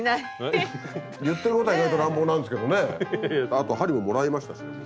あと針ももらいましたしね。